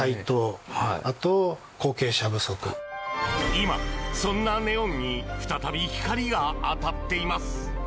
今、そんなネオンに再び光が当たっています。